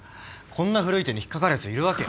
こんな古い手に引っ掛かるやついるわけ。